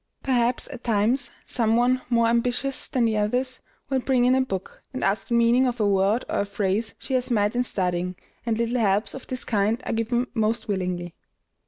Perhaps, at times, some one more ambitious than the others will bring in a book, and ask the meaning of a word or a phrase she has met in studying, and little helps of this kind are given most willingly.